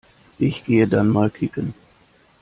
Ich gehe dann mal kicken.